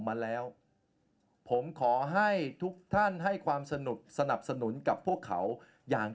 มาแล้วผมขอให้ทุกท่านให้ความสนุกสนับสนุนกับพวกเขาอย่าง